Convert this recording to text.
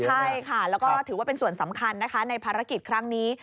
ใช่ค่ะแล้วก็ถือว่าเป็นส่วนสำคัญนะคะในภารกิจครั้งนี้